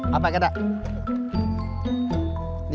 เอาไปก็ได้